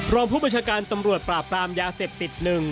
รองผู้ประชาการตำรวจปราบปรามยาเสพติด๑